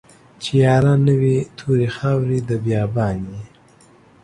چې ياران نه وي توري خاوري د بيا بان يې